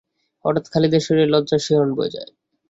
হঠাৎ খালিদের শরীরে লজ্জার শিহরণ বয়ে যায়।